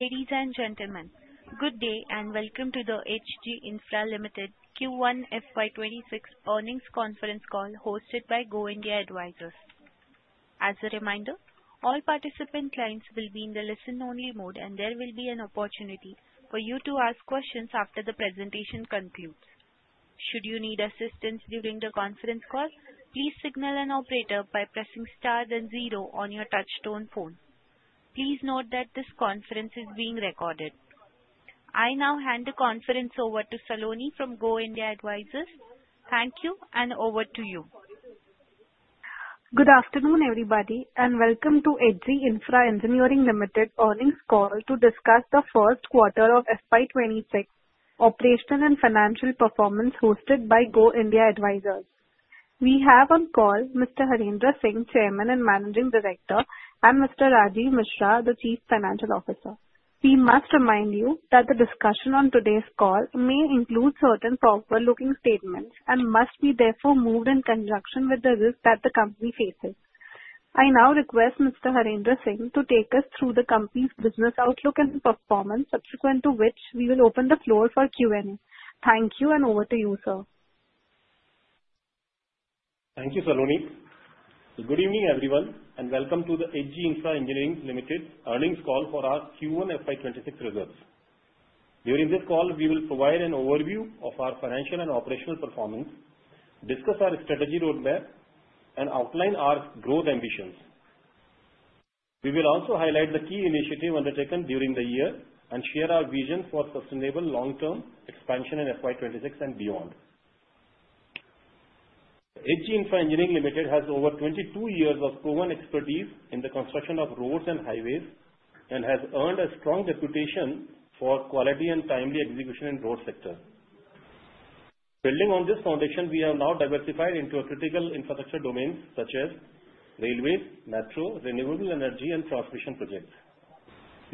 Ladies and gentlemen, good day and welcome to the H.G. Infra Limited Q1 FY2026 Earnings Conference Call hosted by Go India Advisors. As a reminder, all participant lines will be in the listen-only mode, and there will be an opportunity for you to ask questions after the presentation concludes. Should you need assistance during the conference call, please signal an operator by pressing star then zero on your touch-tone phone. Please note that this conference is being recorded. I now hand the conference over to Saloni from Go India Advisors. Thank you, and over to you. Good afternoon, everybody, and welcome to H.G. Infra Engineering Limited Earnings Call to discuss the Q1 of FY2026 operational and financial performance hosted by Go India Advisors. We have on call Mr. Harendra Singh, Chairman and Managing Director, and Mr. Rajeev Mishra, the Chief Financial Officer. We must remind you that the discussion on today's call may include certain forward-looking statements and must be therefore viewed in conjunction with the risks that the company faces. I now request Mr. Harendra Singh to take us through the company's business outlook and performance, subsequent to which we will open the floor for Q&A. Thank you, and over to you, sir. Thank you, Saloni. Good evening, everyone, and welcome to the H.G. Infra Engineering Limited earnings Call for our Q1 FY26 results. During this call, we will provide an overview of our financial and operational performance, discuss our strategy roadmap, and outline our growth ambitions. We will also highlight the key initiatives undertaken during the year and share our vision for sustainable long-term expansion in FY26 and beyond. H.G. Infra Engineering Limited has over 22 years of proven expertise in the construction of roads and highways and has earned a strong reputation for quality and timely execution in the road sector. Building on this foundation, we have now diversified into critical infrastructure domains such as railways, metro, renewable energy, and transmission projects.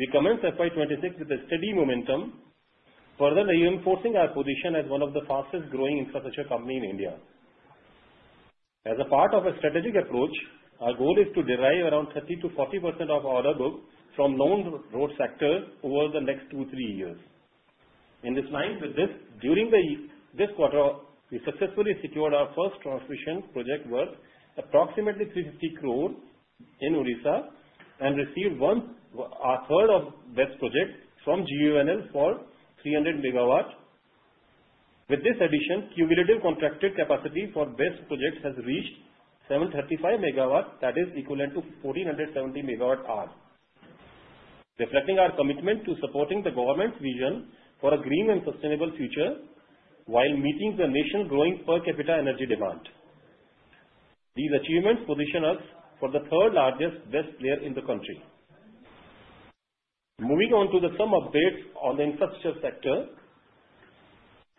We commence FY26 with a steady momentum, further reinforcing our position as one of the fastest-growing infrastructure companies in India. As a part of a strategic approach, our goal is to derive around 30% to 40% of our order book from known road sectors over the next two to three years. In line with this, during this quarter, we successfully secured our first transmission project worth approximately 350 crores in Odisha and received 1/3 of the BESS projects from GUVNL for 300 MW. With this addition, cumulative contracted capacity for BESS projects has reached 735 MW, that is equivalent to 1,470 MWh, reflecting our commitment to supporting the government's vision for a green and sustainable future while meeting the nation's growing per-capita energy demand. These achievements position us as the third-largest BESS player in the country. Moving on to some updates on the infrastructure sector.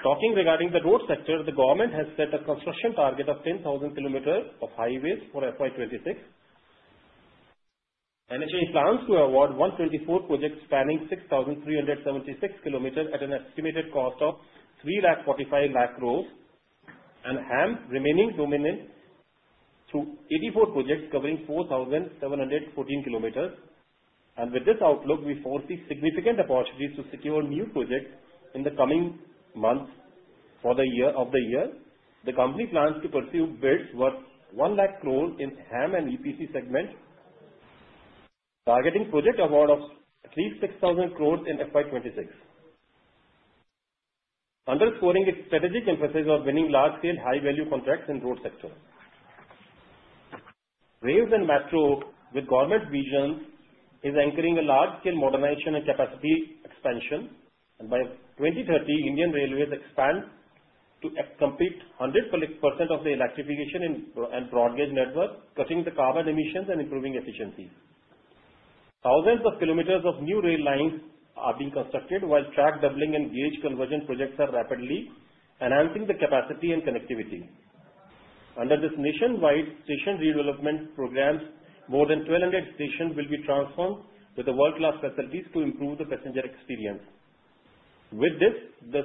Talking regarding the road sector, the government has set a construction target of 10,000 km of highways for FY26. NHAI plans to award 124 projects spanning 6,376 km at an estimated cost of 3.45 lakh crores, and HAM remaining dominant through 84 projects covering 4,714 km. With this outlook, we foresee significant opportunities to secure new projects in the coming months of the year. The company plans to pursue bids worth 1 lakh crores in HAM and EPC segments, targeting project awards of at least 6,000 crores in FY26, underscoring its strategic emphasis on winning large-scale high-value contracts in the road sector. Railways and metro, with government visions, are anchoring large-scale modernization and capacity expansion. By 2030, Indian Railways expands to complete 100% of the electrification and broadband network, cutting carbon emissions and improving efficiencies. Thousands of kilometers of new rail lines are being constructed, while track doubling and gauge conversion projects are rapidly enhancing the capacity and connectivity. Under this nationwide station redevelopment program, more than 1,200 stations will be transformed with world-class facilities to improve the passenger experience. With this, the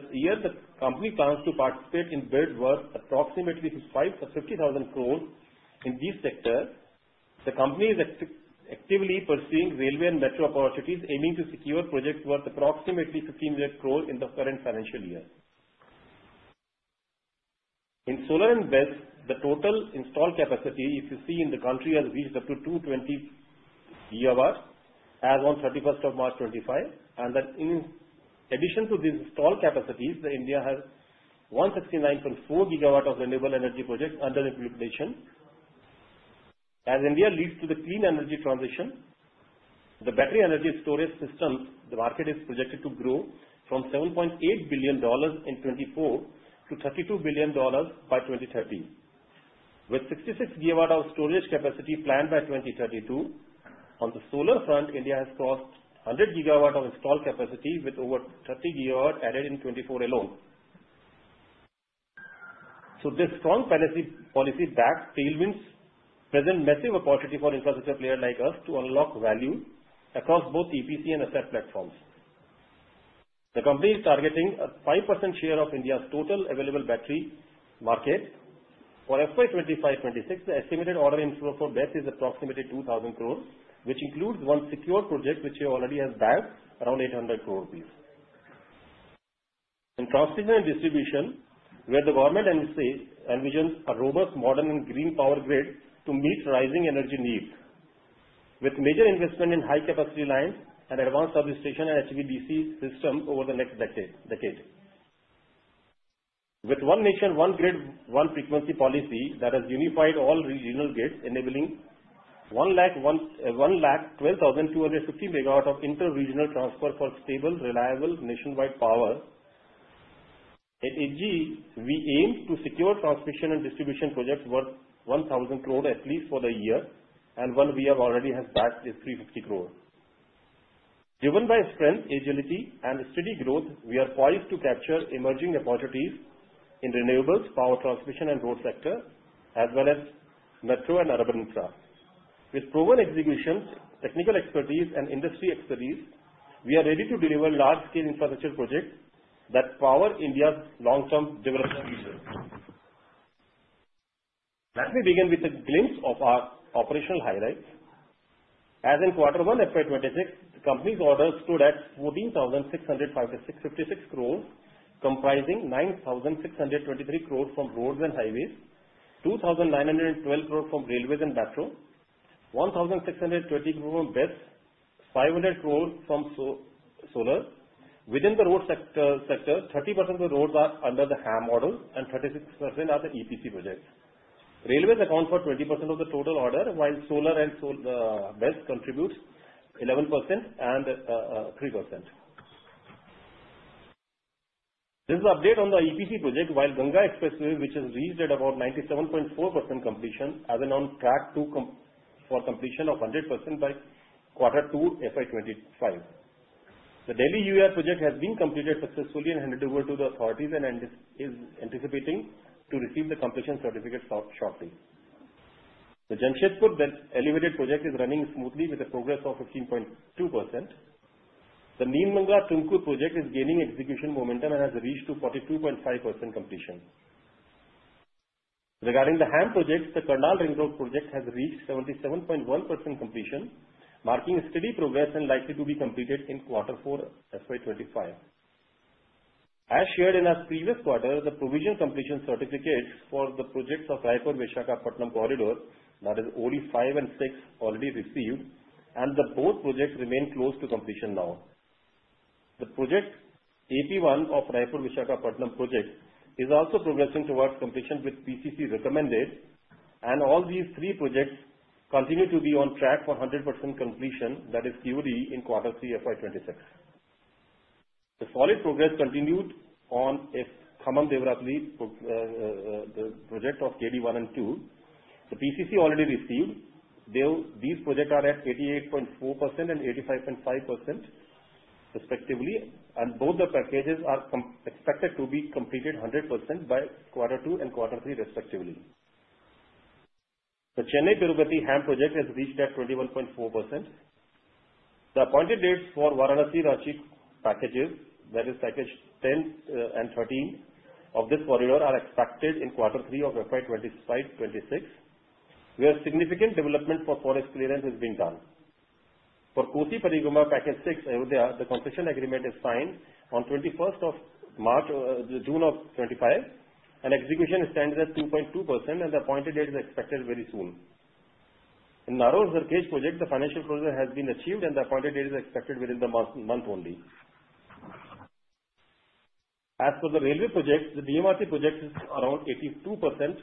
company plans to participate in bids worth approximately 50,000 crore in these sectors. The company is actively pursuing railway and metro opportunities, aiming to secure projects worth approximately 1,500 crore in the current financial year. In solar and BESS, the total installed capacity, if you see, in the country has reached up to 220 GW, as 31st of March 2025. In addition to these installed capacities, India has 169.4 GW of renewable energy projects under implementation. As India leads to the clean energy transition, the battery energy storage system market is projected to grow from $7.8 billion in 2024 to $32 billion by 2030, with 66 GW of storage capacity planned by 2032. On the solar front, India has crossed 100 GW of installed capacity with over 30 GW added in 2024 alone. This strong policy backs tailwinds and presents massive opportunities for infrastructure players like us to unlock value across both EPC and asset platforms. The company is targeting a 5% share of India's total available battery market. For FY25-26, the estimated order inflow for BESS is approximately 2,000 crore, which includes one secure project, which already has bagged around 800 crore rupees. In transmission and distribution, the government envisions a robust modern and green power grid to meet rising energy needs, with major investment in high-capacity lines and advanced substations and HVDC systems over the next decade. With a one-nation, one-grid, one-frequency policy that has unified all regional grids, enabling 112,250 MW of interregional transfer for stable, reliable nationwide power, at H.G., we aim to secure transmission and distribution projects worth 1,000 crore at least for the year, and one we have already has bagged is 350 crore. Driven by strength, agility, and steady growth, we are poised to capture emerging opportunities in renewables, power transmission, and road sectors, as well as metro and urban infra. With proven execution, technical expertise, and industry expertise, we are ready to deliver large-scale infrastructure projects that power India's long-term development vision. Let me begin with a glimpse of our operational highlights. As in Q1 FY26, the company's orders stood at 14,656 crore, comprising 9,623 crore from roads and highways, 2,912 crore from railways and metro, 1,620 crore from BESS, and 500 crore from solar. Within the road sector, 30% of the roads are under the HAM model, and 36% are the EPC projects. Railways account for 20% of the total order, while solar and BESS contribute 11% and 3%. This is an update on the EPC project, while Ganga Expressway, which has reached about 97.4% completion, is on track for completion of 100% by Q2 FY25. The Delhi UER project has been completed successfully and handed over to the authorities, and it is anticipating to receive the completion certificate shortly. The Jamshedpur elevated project is running smoothly with a progress of 15.2%. The Nelamangala-Tumkur project is gaining execution momentum and has reached 42.5% completion. Regarding the HAM project, the Karnal Ring Road project has reached 77.1% completion, marking steady progress and likely to be completed in Q4 FY25. As shared in our previous quarter, the provisional completion certificates for the projects of Raipur-Visakhapatnam corridor, that is, OD-5 and OD-6, are already received, and both projects remain close to completion now. The project AP-1 of Raipur-Visakhapatnam project is also progressing towards completion with PCC recommended, and all these three projects continue to be on track for 100% completion, that is, COD in Q3 FY26. The solid progress continued on the Khammam-Devarapalle project of KD-1 and KD-2. The PCC already received these projects at 88.4% and 85.5%, respectively, and both the packages are expected to be completed 100% by Q2 and Q3, respectively. The Chennai-Tirupati HAM project has reached 21.4%. The appointed dates for Varanasi-Ranchi packages, that is, Packages 10 and 13 of this corridor, are expected in Q3 of FY25-26, where significant development for forest clearance has been done. For Kosi Parikrama Package 6, Ayodhya, the construction agreement is signed on 21st of June 2025, and execution is standard at 2.2%, and the appointed date is expected very soon. In Narol Sarkhej project, the financial closure has been achieved, and the appointed date is expected within the month only. As for the railway projects, the DMRC project is around 82%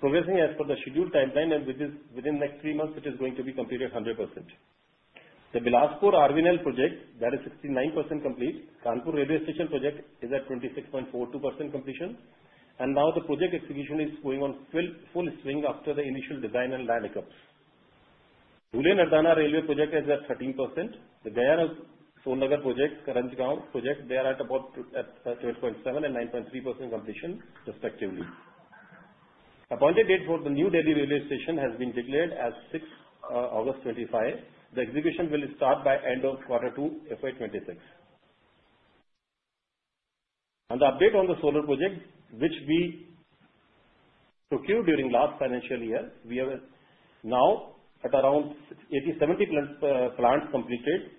progressing as per the scheduled timeline, and within the next three months, it is going to be completed 100%. The Bilaspur RVNL project, that is, 69% complete, Kanpur railway station project is at 26.42% completion, and now the project execution is going on full swing after the initial design and land hiccups. Dhule-Nardana railway project is at 13%. The Gaya-Son Nagar project, Karanjgaon project, they are at about 12.7% and 9.3% completion, respectively. The appointed date for the New Delhi railway station has been declared as 6th August 2025. The execution will start by the end of Q2 FY26. On the update on the solar project, which we procured during the last financial year, we are now at around 80-70 plants completed.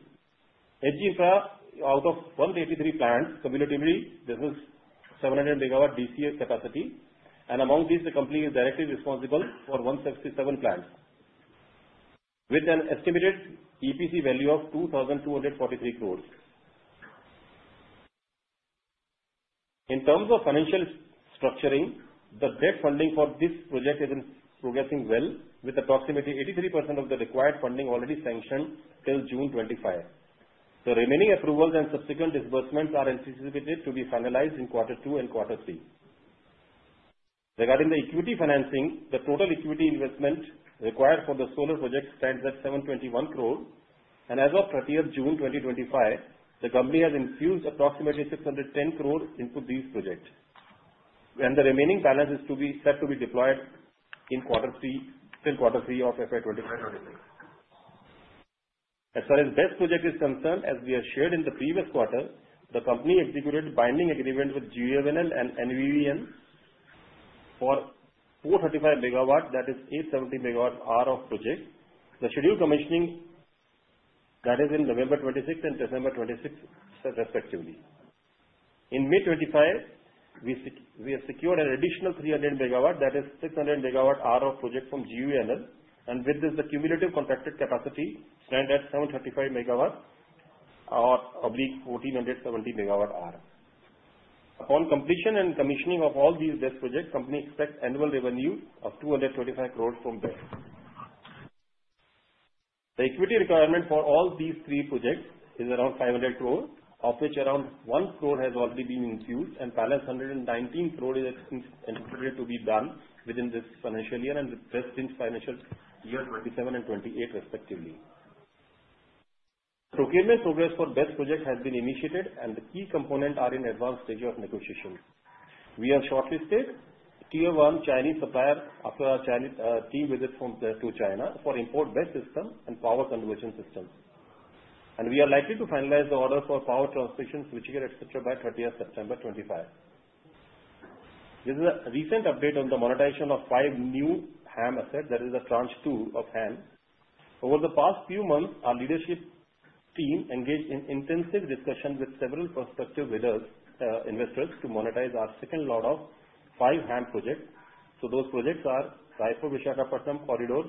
H.G. Infra, out of 183 plants, cumulatively this is 700 MW DC capacity, and among these, the company is directly responsible for 167 plants, with an estimated EPC value of 2,243 crore. In terms of financial structuring, the debt funding for this project is progressing well, with approximately 83% of the required funding already sanctioned until 25 June. The remaining approvals and subsequent disbursements are anticipated to be finalized in Q2 and Q3. Regarding the equity financing, the total equity investment required for the solar project stands at 721 crore, and as of 30th of June 2025, the company has infused approximately 610 crore into these projects, and the remaining balance is set to be deployed until Q3 of FY25-26. As far as BESS project is concerned, as we have shared in the previous quarter, the company executed binding agreements with GUVNL and NVVN for 435 MW, that is, 870 MWh of projects, the scheduled commissioning, that is, in November 2026 and December 2026, respectively. In May 2025, we have secured an additional 300 MW, that is, 600 MWh of projects from GUVNL, and with this, the cumulative contracted capacity stands at 735 MW of the 1,470 MWh. Upon completion and commissioning of all these BESS projects, the company expects annual revenue of 225 crore from BESS. The equity requirement for all these three projects is around 500 crore, of which around 1 crore has already been infused, and the balance of 119 crore is anticipated to be done within this financial year and with BESS's financial years 2027 and 2028, respectively. Procurement progress for BESS projects has been initiated, and the key components are in the advanced stage of negotiation. We are shortlisted Tier 1 Chinese supplier after our team visits to China for import BESS systems and power conversion systems, and we are likely to finalize the order for power transmission, switchgear, et cetera, by 30th of September 2025. This is a recent update on the monetization of five new HAM assets, that is, Tranche 2 of HAM. Over the past few months, our leadership team engaged in intensive discussions with several prospective investors to monetize our second lot of five HAM projects. Those projects are Raipur-Visakhapatnam corridor,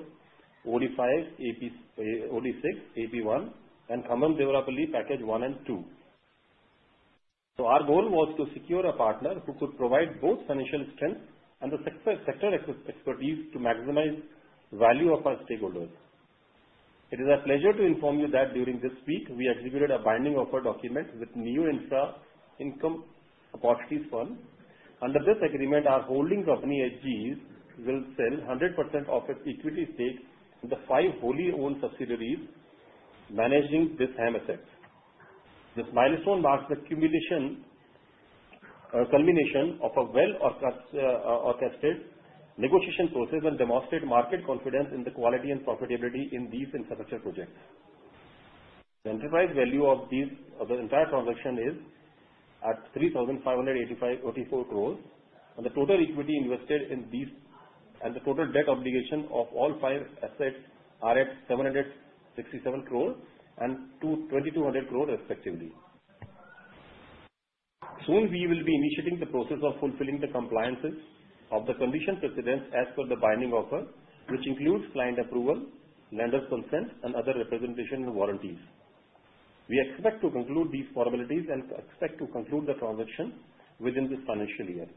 OD-5, OD-6, AP-1, and Khammam-Devarapalle package 1 and 2. Our goal was to secure a partner who could provide both financial strength and the sector expertise to maximize the value of our stakeholders. It is our pleasure to inform you that during this week, we executed a binding offer document with Neo Income Opportunities Fund. Under this agreement, our holding company, H.G., will sell 100% of its equity stake in the five wholly owned subsidiaries managing this HAM asset. This milestone marks the culmination of a well-orchestrated negotiation process and demonstrates market confidence in the quality and profitability of these infrastructure projects. The enterprise value of the entire transaction is at 3,584 crore, and the total equity invested in these and the total debt obligation of all five assets are at 767 crore and 2,200 crore, respectively. Soon, we will be initiating the process of fulfilling the compliances of the condition precedents as per the binding offer, which includes client approval, lender consent, and other representation warranties. We expect to conclude these formalities and expect to conclude the transaction within this financial year.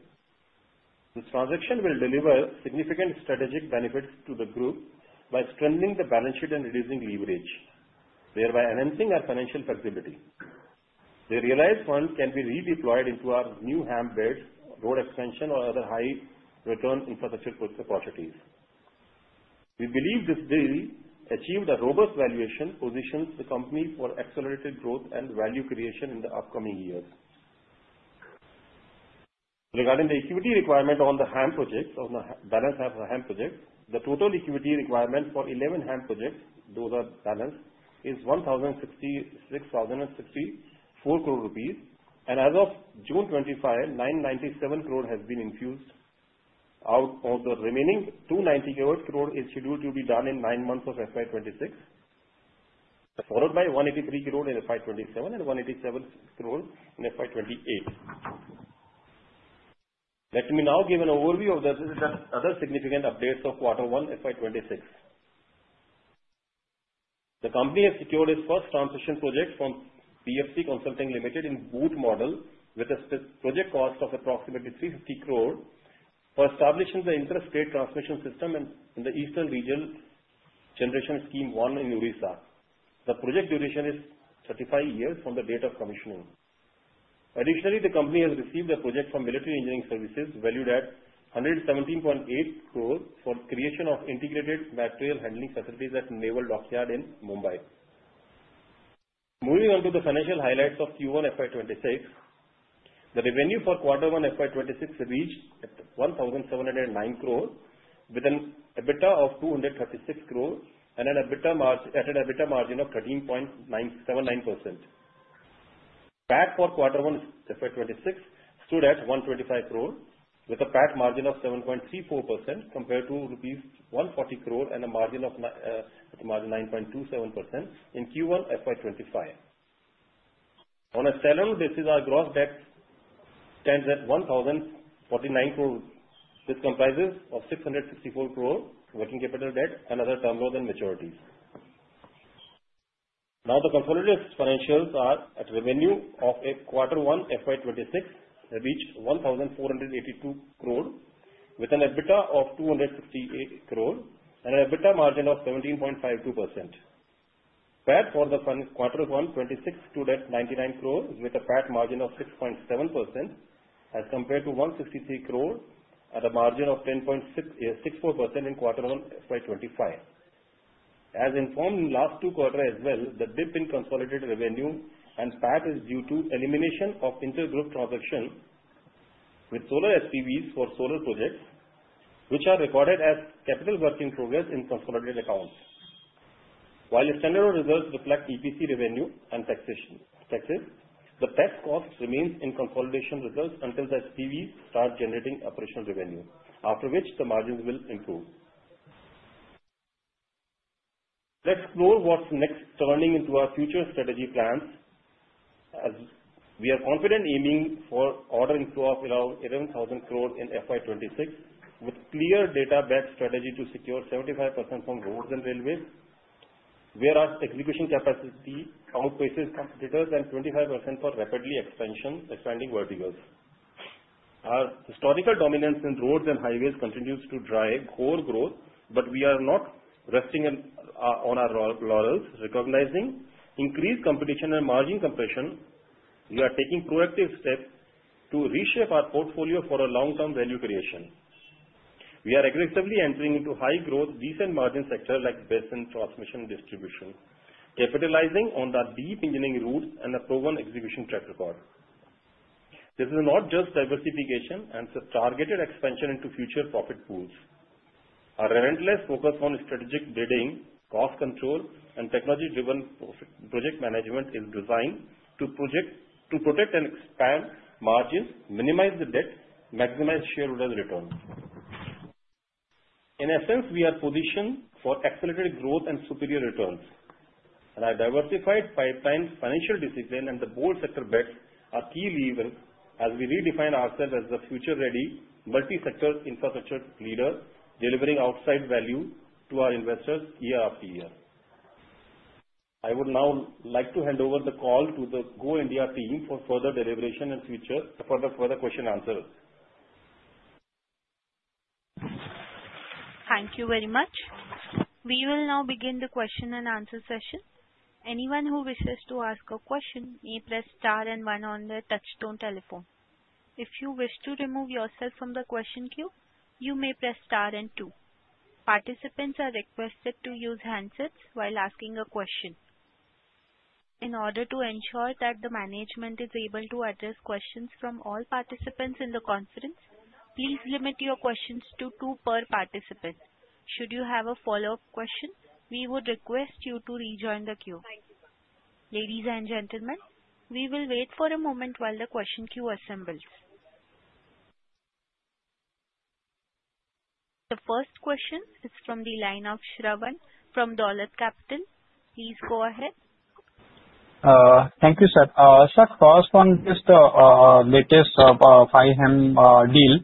This transaction will deliver significant strategic benefits to the group by strengthening the balance sheet and reducing leverage, thereby enhancing our financial flexibility. The realized funds can be redeployed into our new HAM belt, road extension, or other high-return infrastructure opportunities. We believe this deal achieved a robust valuation, positioning the company for accelerated growth and value creation in the upcoming years. Regarding the equity requirement on the HAM projects, on the balance of the HAM projects, the total equity requirement for 11 HAM projects, those are balanced, is 1,664 crore rupees, and as of 25 June, 997 crore has been infused out of the remaining 298 crore is scheduled to be done in nine months of FY26, followed by 183 crore in FY27 and 187 crore in FY28. Let me now give an overview of the other significant updates of Q1 FY26. The company has secured its first transmission project from PFC Consulting Limited in BOOT model, with a project cost of approximately 350 crore for establishing the interstate transmission system in the Eastern Region Generation Scheme-1 in Odisha. The project duration is 35 years from the date of commissioning. Additionally, the company has received a project from Military Engineering Services valued at 117.8 crore for creation of integrated material handling facilities at Naval Dockyard in Mumbai. Moving on to the financial highlights of Q1 FY26, the revenue for Q1 FY26 reached 1,709 crore, with an EBITDA of 236 crore and an EBITDA margin of 13.79%. PAT for Q1 FY26 stood at 125 crore, with a PAT margin of 7.34% compared to INR 140 crore and a margin of 9.27% in Q1 FY25. On a standalone basis, our gross debt stands at 1,049 crore. This comprises 664 crore working capital debt and other terminals and maturities. Now, the consolidated financials are at revenue of Q1 FY26, reached 1,482 crore, with an EBITDA of 268 crore and an EBITDA margin of 17.52%. PAT for Q1 FY26 stood at 99 crore, with a PAT margin of 6.7% as compared to 163 crore at a margin of 10.64% in Q1 FY25. As informed in the last two quarters as well, the dip in consolidated revenue and PAT is due to the elimination of intergroup transactions with solar SPVs for solar projects, which are recorded as capital work in progress in consolidated accounts. While the standalone results reflect EPC revenue and taxes, the tax cost remains in consolidation results until the SPVs start generating operational revenue, after which the margins will improve. Let's explore what's next, turning to our future strategy plans. We are confidently aiming for an order inflow close to 11,000 crore in FY26, with a clear data-backed strategy to secure 75% from roads and railways, where our execution capacity outpaces competitors and 25% for rapidly expanding verticals. Our historical dominance in roads and highways continues to drive core growth, but we are not resting on our laurels. Recognizing increased competition and margin compression, we are taking proactive steps to reshape our portfolio for long-term value creation. We are aggressively entering into high-growth, decent-margin sectors like BESS and transmission distribution, capitalizing on the deep engineering roots and the proven execution track record. This is not just diversification and targeted expansion into future profit pools. Our relentless focus on strategic bidding, cost control, and technology-driven project management is designed to protect and expand margins, minimize the debt, and maximize shareholders' returns. In essence, we are positioned for accelerated growth and superior returns, and our diversified pipeline, financial discipline, and the bold sector bet are key levers as we redefine ourselves as the future-ready multi-sector infrastructure leader, delivering outstanding value to our investors year after year. I would now like to hand over the call to the Go India team for further deliberation and further question-and-answers. Thank you very much. We will now begin the question-and-answer session. Anyone who wishes to ask a question may press star and one on the touch-tone telephone. If you wish to remove yourself from the question queue, you may press star and two. Participants are requested to use handsets while asking a question. In order to ensure that the management is able to address questions from all participants in the conference, please limit your questions to two per participant. Should you have a follow-up question, we would request you to rejoin the queue. Ladies and gentlemen, we will wait for a moment while the question queue assembles. The first question is from the line of Shravan from Dolat Capital. Please go ahead. Thank you, sir. Sir, first on just the latest HAM deal.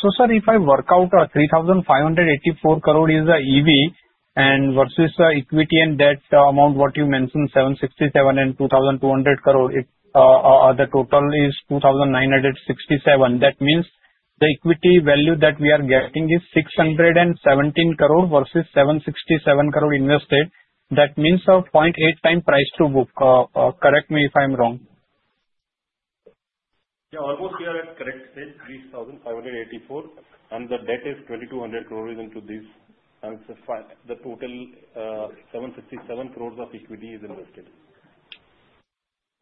So, sir, if I work out INR 3,584 crore is the EV versus the equity and debt amount, what you mentioned, INR 767 and INR 2,200 crore, if the total is INR 2,967 crorer, that means the equity value that we are getting is INR 617 crore versus INR 767 crore invested. That means a 0.8 time price to book. Correct me if I'm wrong. Yeah, almost we are at current stage 3,584, and the debt is 2,200 crore into this. And the total 767 crore of equity is invested.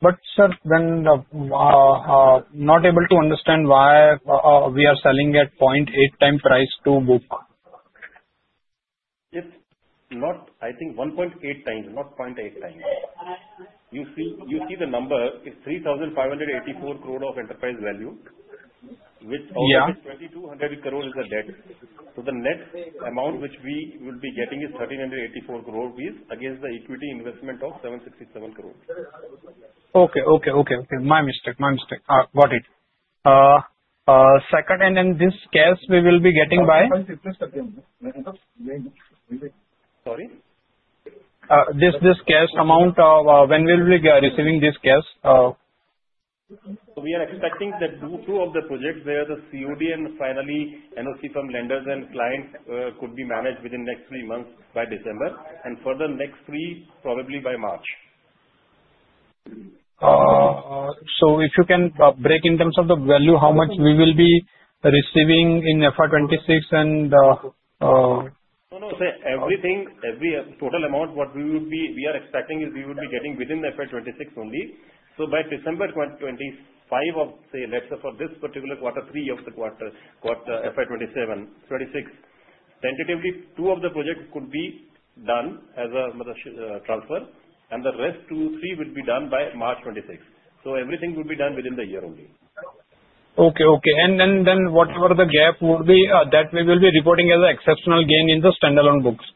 But, sir, then not able to understand why we are selling at 0.8x price to book. It's not, I think, 1.8 times, not 0.8x. You see the number, it's 3,584 crore of enterprise value, which out of 2,200 crore is the debt. So the net amount which we will be getting is 1,384 crore rupees against the equity investment of 767 crore. Okay. My mistake. Got it. Second, and then this cash we will be getting by. Sorry? This cash amount, when will we be receiving this cash? So we are expecting that two of the projects, they are the COD and finally NOC from lenders and clients, could be managed within the next three months by December, and further next three probably by March. So if you can break in terms of the value, how much we will be receiving in FY26 and the? No, no, sir, everything, every total amount what we will be, we are expecting is we will be getting within FY26 only. So by 25 December of, say, let's say for this particular quarter, three of the quarter, FY 2027, FY 2026, tentatively two of the projects could be done as a transfer, and the rest two, three will be done by March 2026. So everything will be done within the year only. Okay, okay. And then whatever the gap would be, that we will be reporting as an exceptional gain in the standalone books.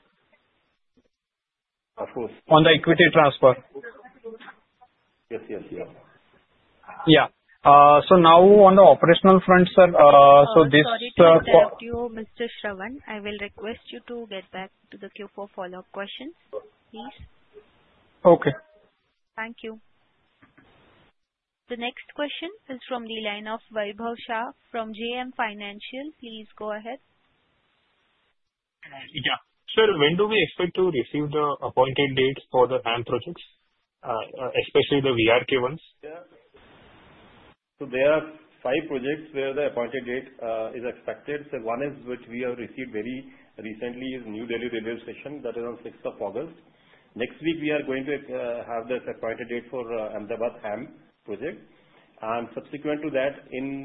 Of course. On the equity transfer. Yes. Yeah. So now on the operational front, sir, so this. Sorry to interrupt you, Mr. Shravan. I will request you to get back to the queue for follow-up questions, please. Okay. Thank you. The next question is from the line of Vaibhav Shah from JM Financial. Please go ahead. Yeah. Sir, when do we expect to receive the appointed dates for the HAM projects, especially the VRK ones? So there are five projects where the appointed date is expected. So one is which we have received very recently is New Delhi Railway Station. That is on 6th of August. Next week, we are going to have this appointed date for Ahmedabad HAM project. And subsequent to that, in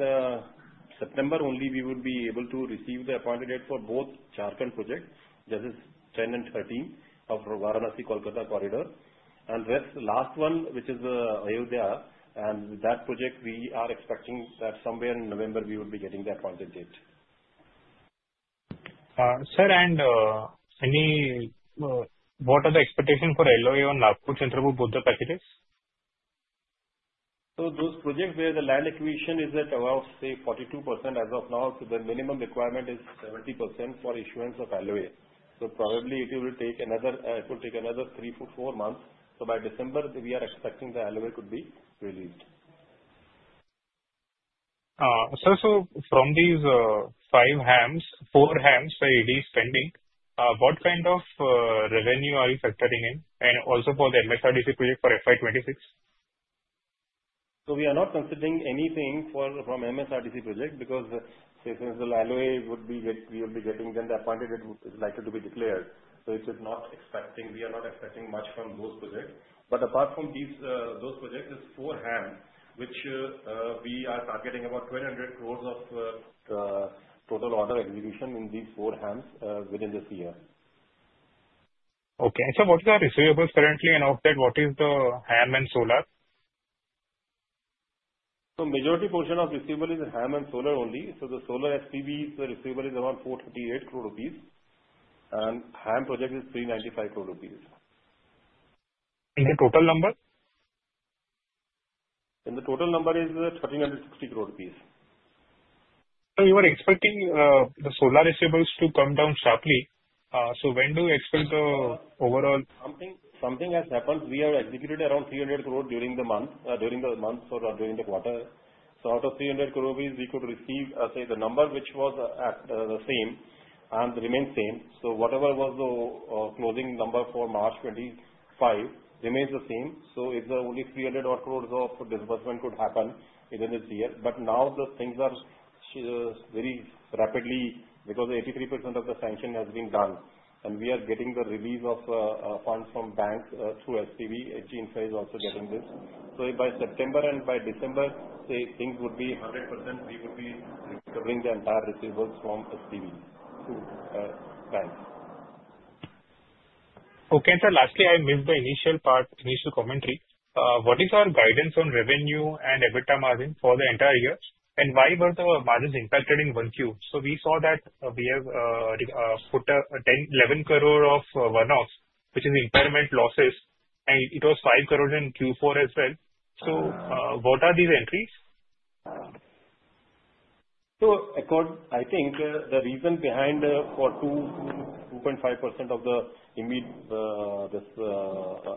September only, we would be able to receive the appointed date for both Jharkhand projects, that is 10 and 13 of Varanasi-Kolkata corridor. And last one, which is Ayodhya, and that project we are expecting that somewhere in November we would be getting the appointed date. Sir, and what are the expectations for LOA on Nagpur-Chandrapur, both the packages? So those projects where the land acquisition is at about, say, 42% as of now, so the minimum requirement is 70% for issuance of LOA. So probably it will take another three to four months. By December, we are expecting the LOA could be released. Sir, so from these five HAMs, four HAMs, say it is pending, what kind of revenue are you factoring in? And also for the MSRDC project for FY26? So we are not considering anything from MSRDC project because, say, since the LOA would be getting, we will be getting then the appointed date is likely to be declared. So we are not expecting much from those projects. But apart from those projects, there are four HAMs, which we are targeting about 1,200 crore of total order execution in these four HAMs within this year. Okay. And sir, what are the receivables currently? And outside, what is the HAM and solar? So the majority portion of receivable is HAM and solar only. So the solar SPVs, the receivable is around 438 crore rupees, and HAM project is 395 crore rupees. And the total number? And the total number, it is 1,360 crore rupees. So you are expecting the solar receivables to come down sharply. So when do you expect the overall? Something has happened. We have executed around 300 crore during the month or during the quarter. So out of 300 crore rupees, we could receive, say, the number which was the same and remained same. So whatever was the closing number for March 2025 remains the same. So it's only 300 crore of disbursement could happen within this year. But now the things are very rapidly because 83% of the sanction has been done, and we are getting the release of funds from banks through SPV. H.G. Infra is also getting this. So by September and by December, say, things would be 100%, we would be recovering the entire receivables from SPV to banks. Okay, and sir, lastly, I missed the initial part, initial commentary. What is our guidance on revenue and EBITDA margin for the entire year? And why were the margins impacted in Q1? So we saw that we have put 10 crores, 11 crores of one-offs, which is impairment losses and it was 5 crores in Q4 as well. So what are these entries? So I think the reason behind for 2.5% of the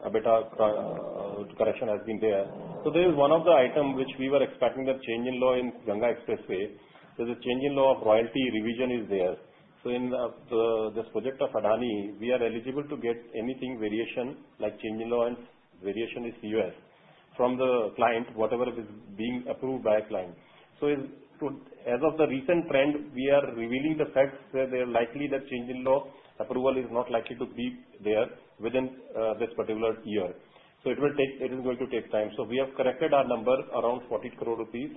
EBITDA correction has been there. So there is one of the items which we were expecting the change in law in Ganga Expressway. There's a change in law of royalty revision is there. So in this project of Adani, we are eligible to get anything variation like change in law and variation is claims from the client, whatever is being approved by a client. As of the recent trend, we are revealing the facts where they are likely that change in law approval is not likely to be there within this particular year. It is going to take time. We have corrected our number around 40 crore rupees.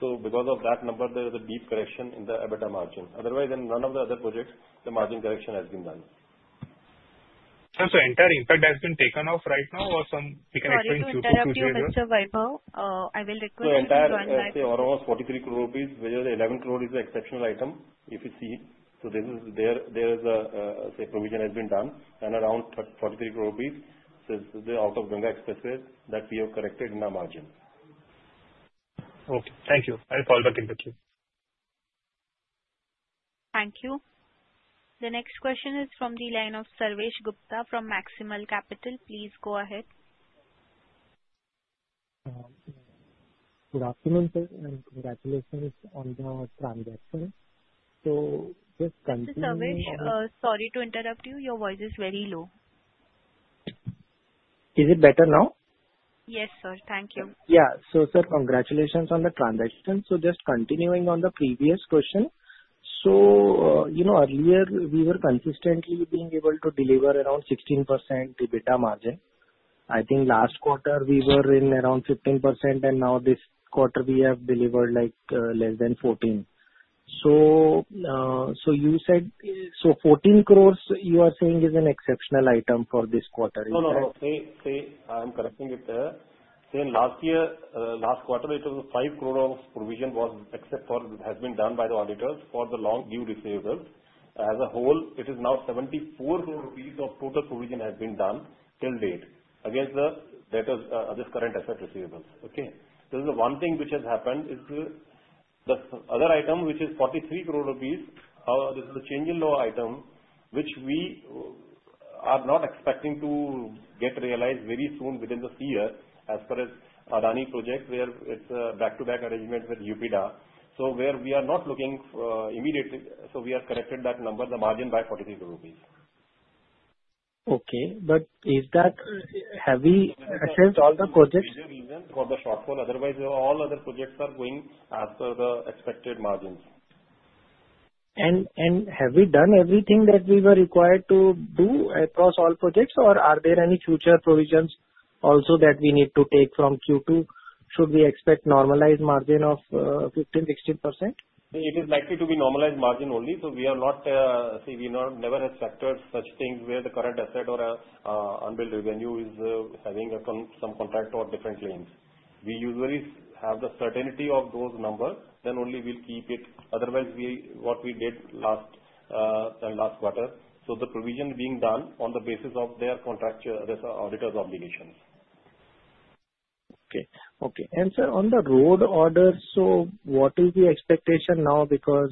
Because of that number, there is a deep correction in the EBITDA margin. Otherwise, in none of the other projects, the margin correction has been done. Sir, entire impact has been taken off right now or some. Sorry to interrupt you Mr. Vaibhav, I will request you to join Entire impact is around 43 crore rupees, whereas 11 crore is the exceptional item, if you see. There is a, say, provision has been done and around 43 crore rupees. It's out of Ganga Expressway that we have corrected in our margin. Okay. Thank you. I'll call back in the queue. Thank you. The next question is from the line of Sarvesh Gupta from Maximal Capital. Please go ahead. Good afternoon, sir, and congratulations on the transaction. So just continuing on. Mr. Sarvesh, sorry to interrupt you. Your voice is very low. Is it better now? Yes, sir. Thank you. Yeah. So sir, congratulations on the transaction. So just continuing on the previous question. So earlier, we were consistently being able to deliver around 16% EBITDA margin. I think last quarter, we were in around 15%, and now this quarter, we have delivered less than 14%. So you said so 14 crore, you are saying is an exceptional item for this quarter, isn't it? No, no, no. I'm correcting it there. Say last year, last quarter, it was 5 crore of provision was except for has been done by the auditors for the long due receivables. As a whole, it is now 74 crore rupees of total provision has been done until date against the current asset receivables. This is the one thing which has happened is the other item, which is 43 crore rupees, this is a change in law item, which we are not expecting to get realized very soon within this year as far as Adani project where it's a back-to-back arrangement with UPEIDA. So where we are not looking immediately, so we have corrected that number, the margin by 43 crore rupees. Okay. But is that, have we assessed all the projects? There is a reason for the shortfall. Otherwise, all other projects are going as per the expected margins. Have we done everything that we were required to do across all projects, or are there any future provisions also that we need to take from queue to? Should we expect normalized margin of 15% to 16%? It is likely to be normalized margin only. So we are not, say, we never have factored such things where the current asset or unbilled revenue is having some contract or different claims. We usually have the certainty of those numbers, then only we'll keep it. Otherwise, what we did last quarter. So the provision being done on the basis of their contractual auditor's obligations. Okay. Sir, on the road orders, so what is the expectation now? Because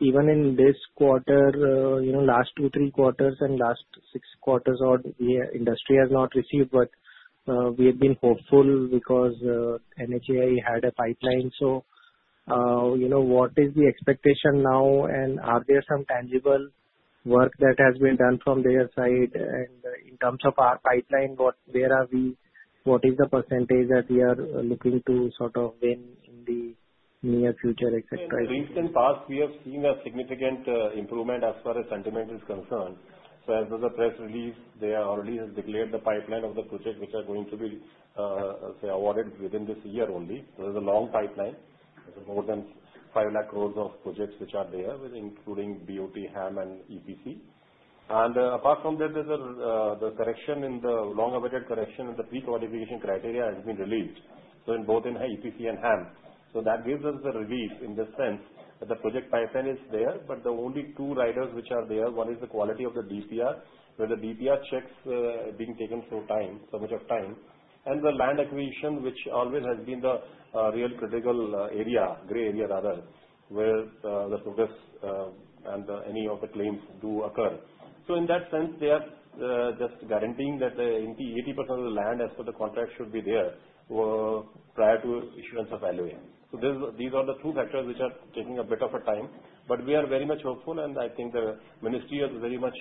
even in this quarter, last two, three quarters, and last six quarters, the industry has not received, but we had been hopeful because NHAI had a pipeline. So what is the expectation now, and are there some tangible work that has been done from their side? And in terms of our pipeline, where are we? What is the percentage that we are looking to sort of win in the near future, etc.? In recent past, we have seen a significant improvement as far as sentiment is concerned. So as of the press release, they have already declared the pipeline of the projects which are going to be, say, awarded within this year only. So there's a long pipeline. There's more than 5 lakh crores of projects which are there, including BOT, HAM, and EPC. And apart from that, the long-awaited correction in the pre-qualification criteria has been released. So in both EPC and HAM. So that gives us the relief in the sense that the project pipeline is there, but the only two riders which are there, one is the quality of the DPR, where the DPR checks are being taken so much of time. And the land acquisition, which always has been the real critical area, gray area rather, where the progress and any of the claims do occur. So in that sense, they are just guaranteeing that 80% of the land as per the contract should be there prior to issuance of LOA. So these are the two factors which are taking a bit of a time. But we are very much hopeful, and I think the ministry is very much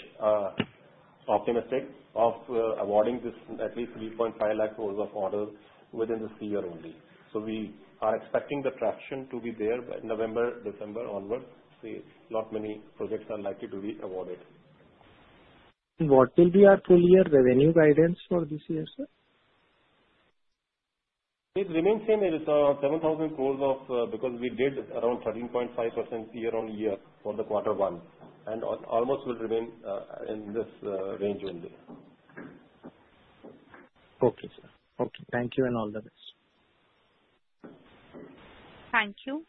optimistic of awarding this at least 3.5 lakh crores of orders within this year only. So we are expecting the traction to be there by November, December onwards. So a lot many projects are likely to be awarded. What will be our full year revenue guidance for this year, sir? It remains same as 7,000 crores or because we did around 13.5% year-on-year for Q1. And almost will remain in this range only. Okay, sir. Okay. Thank you and all the best. Thank you.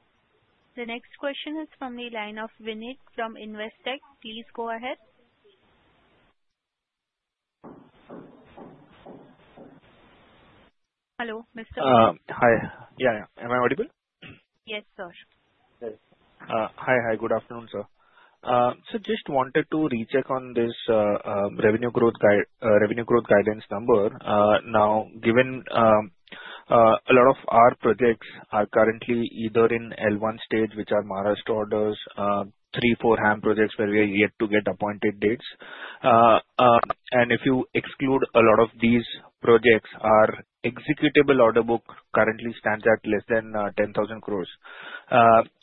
The next question is from the line of Veenit from Investec. Please go ahead. Hello, Mr. Hi. Yeah. Am I audible? Yes, sir. Hi. Good afternoon, sir. So just wanted to recheck on this revenue growth guidance number. Now, given a lot of our projects are currently either in L1 stage, which are Maharashtra orders, three, four HAM projects where we are yet to get appointed dates. And if you exclude a lot of these projects, our executable order book currently stands at less than 10,000 crores.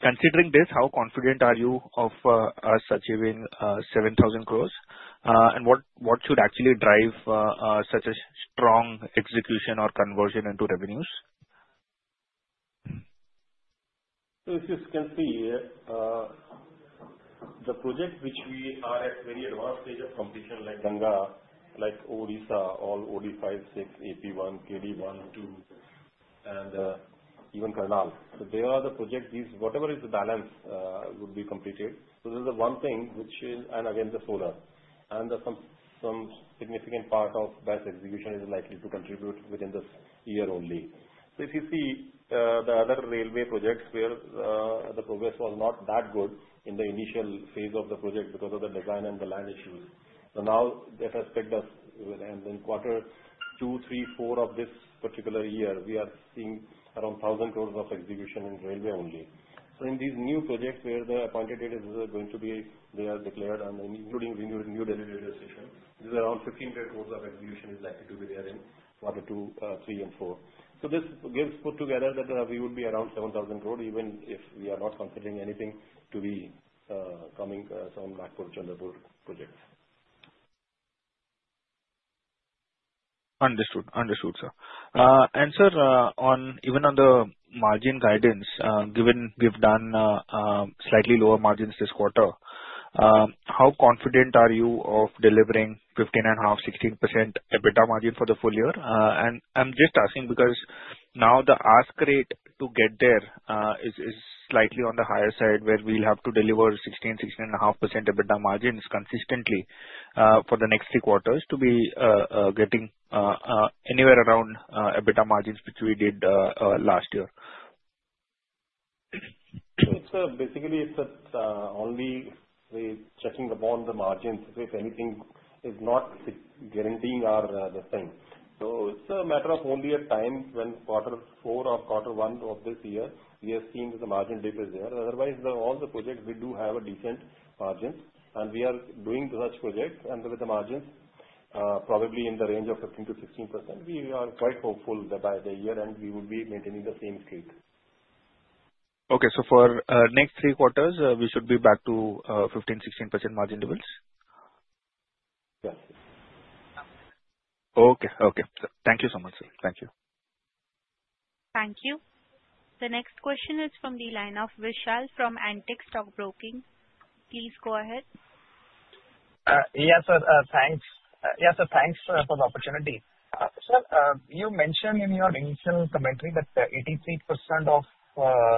Considering this, how confident are you of us achieving 7,000 crores? And what should actually drive such a strong execution or conversion into revenues? So if you can see, the project which we are at very advanced stage of completion, like Ganga, like Odisha, all OD-5, 6, AP-1, KD-1, 2, and even Karnal. So there are the projects whatever is the balance would be completed. So this is the one thing which is, and again, the solar. And some significant part of BESS execution is likely to contribute within this year only. So if you see the other railway projects where the progress was not that good in the initial phase of the project because of the design and the land issues. So now that has pegged us within Q2, Q3, Q4 of this particular year, we are seeing around 1,000 crores of execution in railway only. So in these new projects where the appointed date is going to be declared, including new delegated decisions, there's around 1,500 crore of execution likely to be there in Q2, Q3 and Q4 So this gives put together that we would be around 7,000 crore even if we are not considering anything to be coming from Nagpur-Chandrapur projects. Understood. Understood, sir. And sir, even on the margin guidance, given we've done slightly lower margins this quarter, how confident are you of delivering 15.5% to 16% EBITDA margin for the full year? And I'm just asking because now the ask rate to get there is slightly on the higher side where we'll have to deliver 16 to 16.5% EBITDA margins consistently for the next three quarters to be getting anywhere around EBITDA margins which we did last year. So basically, it's only checking upon the margins if anything is not guaranteeing our thing. So it's a matter of only a time when Q4 or Q1 of this year, we have seen the margin dip is there. Otherwise, all the projects, we do have a decent margin. And we are doing such projects, and with the margins probably in the range of 15% to 16%, we are quite hopeful that by the year end, we will be maintaining the same streak. Okay. So for next three quarters, we should be back to 15% to 16% margin levels? Yes. Okay. Okay. Thank you so much, sir. Thank you. Thank you. The next question is from the line of Vishal from Antique Stock Broking. Please go ahead. Yes, sir. Thanks. Yes, sir. Thanks for the opportunity. Sir, you mentioned in your initial commentary that 83% of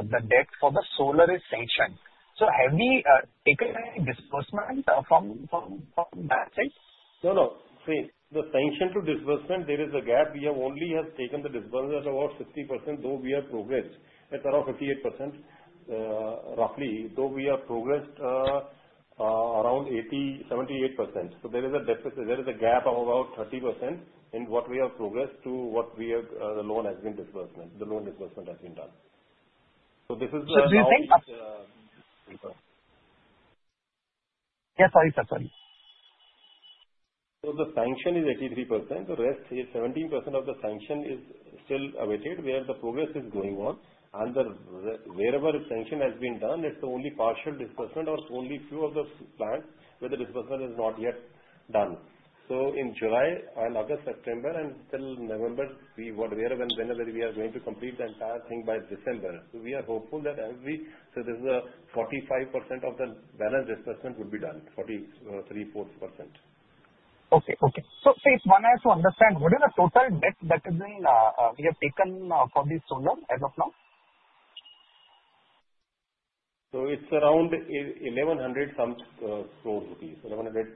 the debt for the solar is sanctioned. So have we taken any disbursement from that side? No, no. See, the sanction to disbursement, there is a gap. We have only taken the disbursement of about 50%, though we have progressed. It's around 58%, roughly, though we have progressed around 78%. So there is a gap of about 30% in what we have progressed to what the loan has been disbursed, the loan disbursement has been done. So this is the. So do you think. Sorry, sir. Sorry. So the sanction is 83%. The rest, 17% of the sanction is still awaited where the progress is going on. And wherever the sanction has been done, it's only partial disbursement or only a few of the plants where the disbursement is not yet done. So in July and August, September, and until November, whatever and whenever we are going to complete the entire thing by December. So we are hopeful that every so this is 45% of the balance disbursement would be done, 43% to 44%. Okay. Okay. So if one has to understand, what is the total debt that we have taken for the solar as of now? So it's around 1,100 crore rupees, rupees 1,100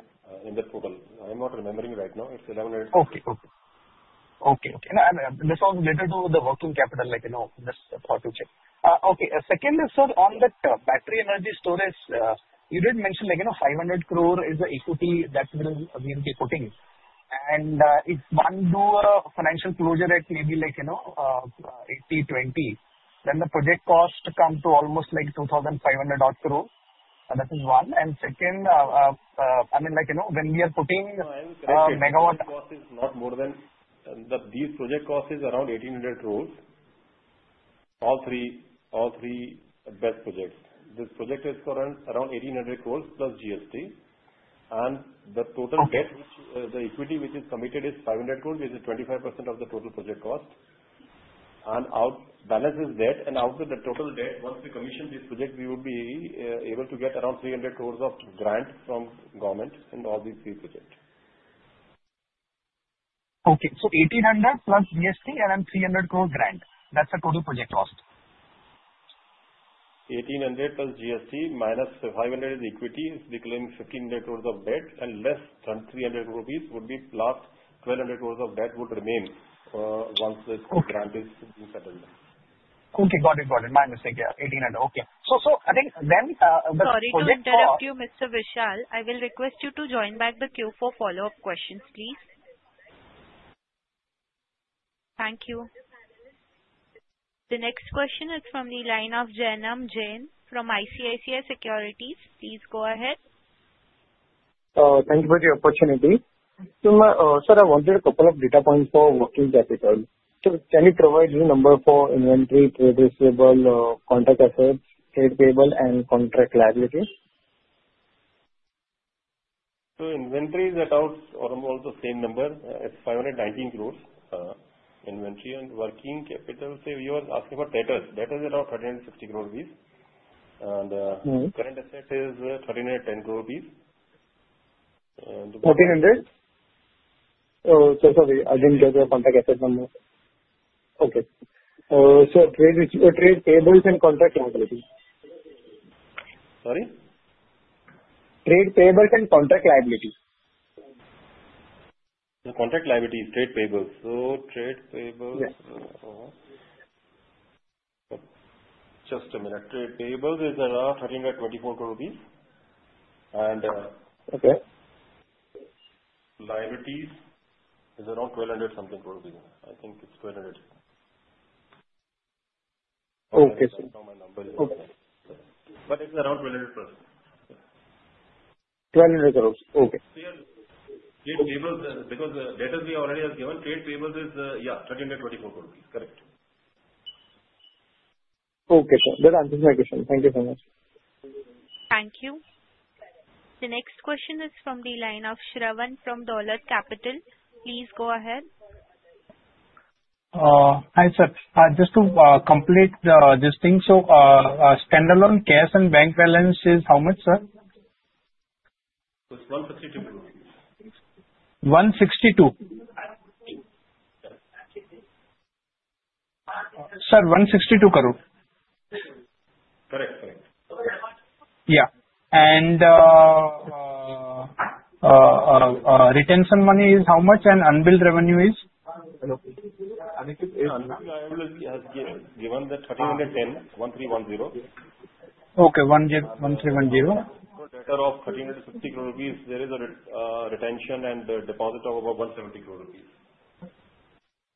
in the total. I'm not remembering right now. It's 1,100. Okay. This was related to the working capital, just thought to check. Okay. Second is, sir, on the battery energy storage, you did mention 500 crore is the equity that we will be putting. And if one do a financial closure at maybe 80-20, then the project cost comes to almost 2,500 crore. That is one. Second, I mean, when we are putting megawatt. The project cost is not more than these project cost is around 1,800 crore, all three BESS projects. This project is around 1,800 crore plus GST. And the total debt, the equity which is committed is 500 crore, which is 25% of the total project cost. And balance is debt. And out of the total debt, once we commission this project, we would be able to get around 300 crore of grant from government in all these three projects. Okay. So 1,800 crore plus GST and then 300 crore grant. That's the total project cost. 1,800 crore plus GST minus 500 crore is equity, is declaring 1,500 crore of debt, and less 300 crore rupees would be plus 1,200 crore of debt would remain once this grant is being settled. Okay. Got it. Got it. My mistake. 1,800 crore. Okay. So I think then. Sorry to interrupt you, Mr. Vishal. I will request you to join back the queue for follow-up questions, please. Thank you. The next question is from the line of Jainam Jain from ICICI Securities. Please go ahead. Thank you for the opportunity. Sir, I wanted a couple of data points for working capital. Can you provide your number for inventory, trade receivables, contract assets, trade payables, and contract liabilities? So inventory is at almost the same number. It's 519 crore inventory. And working capital, say you are asking for debtors. Debtors are around 1,350 crore rupees. And current asset is 1,310 crore rupees. 1,400? Oh, sorry. I didn't get your contract asset number. Okay. So trade payables and contract liabilities. Sorry? Trade payables and contract liabilities. The contract liabilities, trade payables. So trade payables. Just a minute. Trade payables is around 1,324 crore rupees. And liabilities is around 1,200 crore rupees. I think it's 1,200 crore. Okay. Sorry. My number is not there. But it's around 1,200 crores. 1,200 crores. Okay. Because the debtors we already have given, trade payables is, yeah, 1,324 crore rupees. Correct. Okay, sir. That answers my question. Thank you so much. Thank you. The next question is from the line of Shravan from Dolat Capital. Please go ahead. Hi, sir. Just to complete this thing, so standalone cash and bank balance is how much, sir? It's 162 crore. 162? Sir, 162 crores. Correct. Correct. Yeah. And retention money is how much? And unbilled revenue is? I think it is given the INR 1,310. Okay. 1,310. So the debtor of 1,350 crore rupees, there is a retention and deposit of about 170 crore rupees.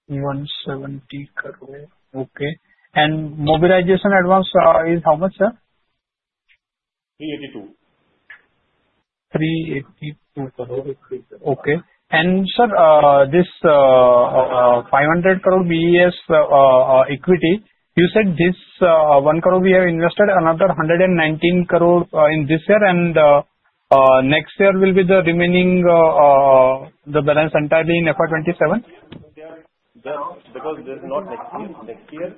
170 crores. Okay. And mobilization advance is how much, sir? 382 crore. 382 crores. Okay. Sir, this 500 crore BESS equity, you said this one crore we have invested, another 119 crore in this year, and next year will be the remaining balance entirely in FY27? Because there's not next year. Next year,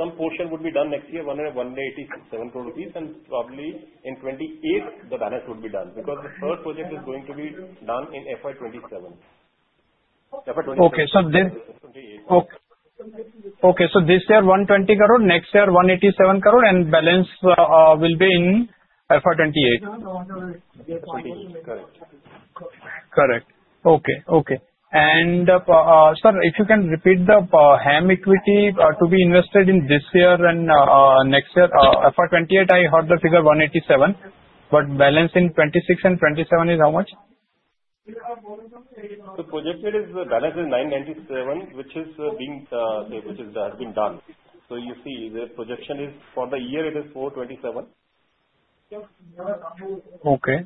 some portion would be done next year, 187 crore rupees, and probably in 2028, the balance would be done because the first project is going to be done in FY27. FY27. Okay. So this year, 120 crore. Next year, 187 crore. And balance will be in FY28. Correct. Correct. Okay. Okay. And sir, if you can repeat the HAM equity to be invested in this year and next year. FY28, I heard the figure 187. But balance in 2026 and 2027 is how much? The projected balance is 997, which has been done. So you see, the projection is for the year, it is 427. Okay.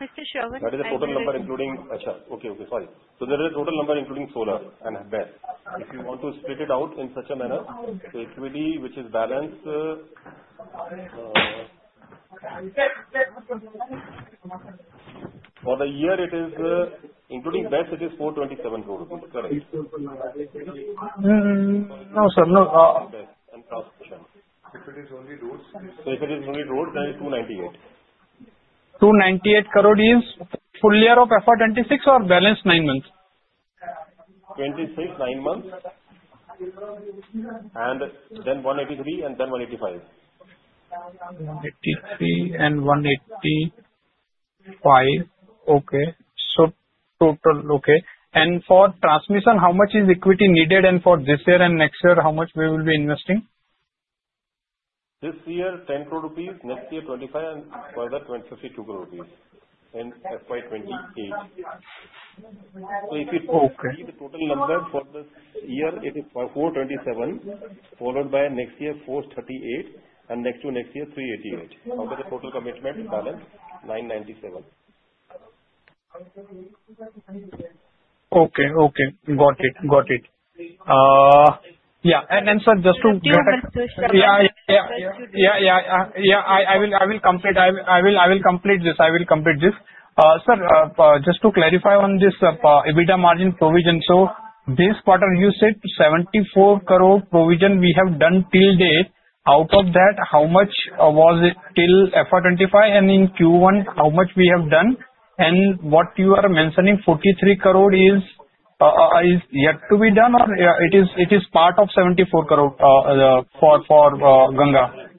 Mr. Shravan. What is the total number including? Ajar. Okay. Sorry. So there is a total number including solar and BESS. If you want to split it out in such a manner, the equity which is balance for the year, including BESS, it is 427 crore. Correct. No, sir. No. And cross-commission. If it is only roads. So if it is only roads, then it's 298 crore. 298 crore is full year of FY26 or balance nine months? FY26, nine months. And then 183 crores and then 185 crores. 183 crores and 185 crores. Okay. So total. Okay. And for transmission, how much is equity needed? And for this year and next year, how much we will be investing? This year, 10 crore rupees. Next year, 25 crore rupees. And further, 152 crore rupees in FY28. So if you see the total number for this year, it is 427, followed by next year, 438, and next to next year, 388. How much is the total commitment balance? 997. Okay. Got it. Yeah. I will complete this. Sir, just to clarify on this EBITDA margin provision. So this quarter, you said 74 crore provision we have done until date. Out of that, how much was until FY25? And in Q1, how much we have done? And what you are mentioning, 43 crore is yet to be done or it is part of 74 crore for Ganga?